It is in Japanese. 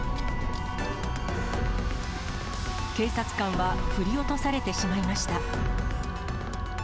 警察官は振り落とされてしまいました。